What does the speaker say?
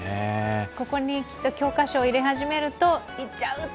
ここにきっと教科書を入れ始めると、行っちゃうって。